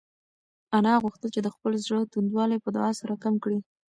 انا غوښتل چې د خپل زړه توندوالی په دعا سره کم کړي.